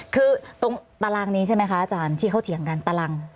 คือตรงตารางนี้ใช่ไหมคะอาจารย์ที่เขาเถียงกันตาราง